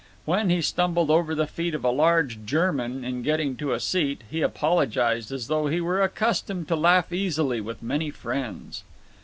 When he stumbled over the feet of a large German in getting to a seat, he apologized as though he were accustomed to laugh easily with many friends.